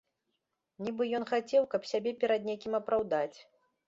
Нібы ён хацеў, каб сябе перад некім апраўдаць.